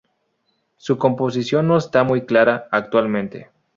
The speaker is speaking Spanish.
Su composición no está muy clara actualmente.